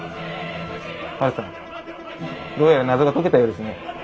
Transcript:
どうやら謎が解けたようですね。